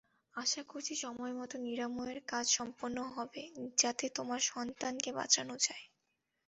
আশা করছি সময়মতো নিরাময়ের কাজ সম্পন্ন হবে, যাতে তোমার সন্তানকে বাঁচানো যায়।